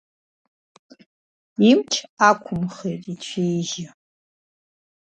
Имч ақәымхеит ицәеижьы.